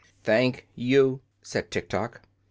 "Thank you," said Tiktok.